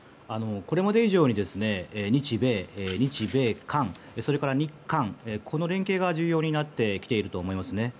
これまで以上に日米、日米韓、それから日韓の連携が重要になってきていると思いますね。